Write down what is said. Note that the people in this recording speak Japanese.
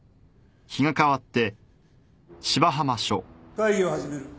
会議を始める。